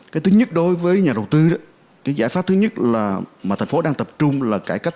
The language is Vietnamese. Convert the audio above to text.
cái thứ nhất đối với nhà đầu tư đó cái giải pháp thứ nhất là mà thành phố đang tập trung là cải cách